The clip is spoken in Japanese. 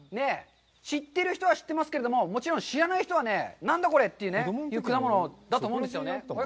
知ってる人は知ってますけれども、もちろん知らない人はね、何だこれという果物だと思うんですよね。